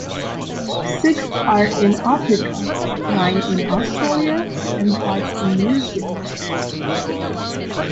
Six are in Africa, nine in Australia and five in New Zealand.